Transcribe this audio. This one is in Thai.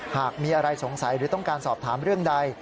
หากมีอะไรสงสัยหรือต้องการสอบถามเรื่องใด